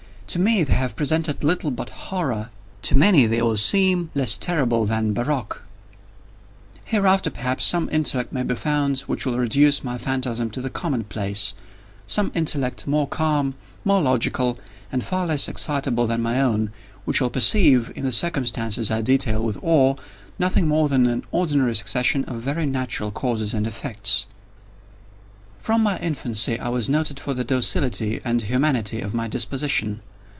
To me, they have presented little but horror—to many they will seem less terrible than barroques. Hereafter, perhaps, some intellect may be found which will reduce my phantasm to the common place—some intellect more calm, more logical, and far less excitable than my own, which will perceive, in the circumstances I detail with awe, nothing more than an ordinary succession of very natural causes and effects. From my infancy I was noted for the docility and humanity of my disposition.